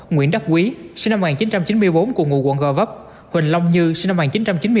nguyễn đắc quý sinh năm một nghìn chín trăm chín mươi bốn cùng ngụ quận gò vấp huỳnh long như sinh năm một nghìn chín trăm chín mươi bốn